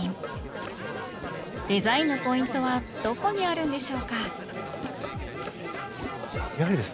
デザインのポイントはどこにあるんでしょうか？